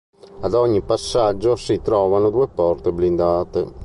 Ad ogni passaggio si trovavano due porte blindate.